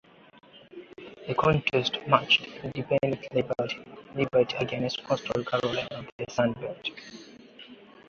The contest matched independent Liberty against Coastal Carolina of the Sun Belt.